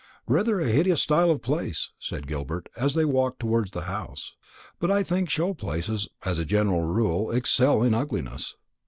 "Rather a hideous style of place," said Gilbert, as they walked towards the house; "but I think show places, as a general rule, excel in ugliness.